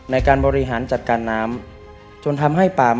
ในการบริหารจัดการน้ำ